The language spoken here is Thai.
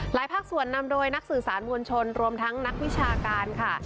ภาคส่วนนำโดยนักสื่อสารมวลชนรวมทั้งนักวิชาการค่ะ